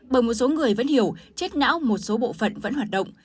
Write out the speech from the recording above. bởi một số người vẫn hiểu chết não một số bộ phận vẫn hoạt động